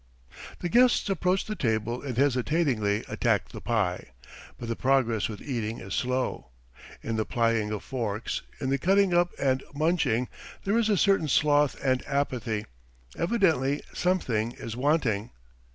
The guests approach the table and hesitatingly attack the pie. But the progress with eating is slow. In the plying of forks, in the cutting up and munching, there is a certain sloth and apathy. ... Evidently something is wanting.